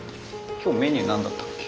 今日メニュー何だったっけ？